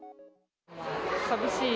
寂しい。